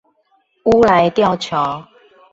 烏來吊橋